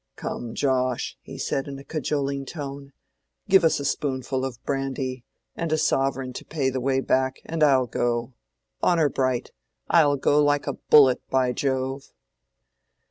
"Come, Josh," he said, in a cajoling tone, "give us a spoonful of brandy, and a sovereign to pay the way back, and I'll go. Honor bright! I'll go like a bullet, by Jove!"